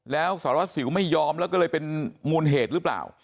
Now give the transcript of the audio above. แล้วสารวัสสิวไม่ยอมแล้วก็เลยเป็นมูลเหตุหรือเปล่า